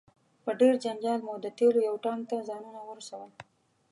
په ډیر جنجال مو د تیلو یو ټانک ته ځانونه ورسول.